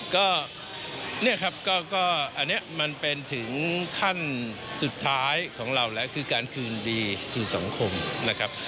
ก็เนี่ยครับก็อันนี้มันเป็นถึงขั้นสุดท้ายของเราแล้วคือการคืนดีสู่สังคมนะครับ